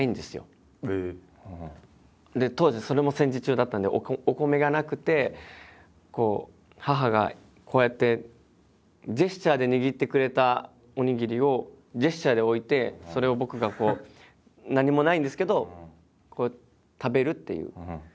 当時それも戦時中だったんでお米がなくて母がこうやってジェスチャーで握ってくれたおにぎりをジェスチャーで置いてそれを僕がこう何もないんですけどこう食べるっていう。